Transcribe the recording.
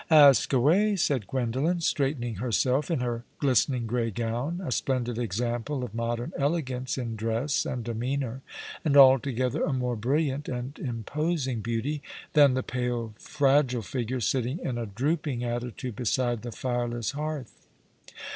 " Ask away/' said Gwendolen, straightening herself in her glistening grey gown, a splendid example of modern elegance in dress and demeanour, and altogether a more brilliant and imposing beauty than the pale, fragile figure sitting in a drooping attitude beside the fireless hearth.